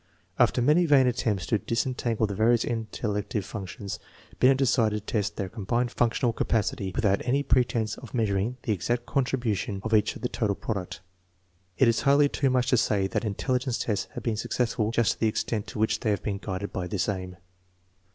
After many vain at tempts to disentangle the various intellective functions, Binet decided to test their combined functional capacity without any pretense of measuring the exact contribution of each to the total product. It is hardly too much to say that intelligence tests have been successful just to the extent to which, they have been guided by this aim.